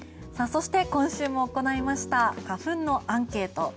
そして、今週も行いました花粉のアンケート